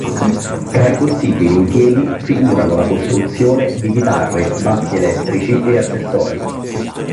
Tra i possibili impieghi figurano la costruzione di chitarre, bassi elettrici e accessori.